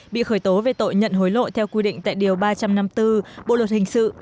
bị khởi tố về tội nhận hối lộ theo quy định tại điều ba trăm năm mươi bốn bộ luật hình sự